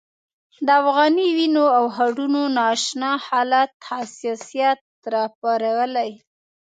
د افغاني وینو او هډونو نا اشنا حالت حساسیت راپارولی.